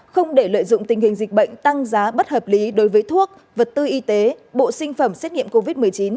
không để lợi dụng tình hình dịch bệnh tăng giá bất hợp lý đối với thuốc vật tư y tế bộ sinh phẩm xét nghiệm covid một mươi chín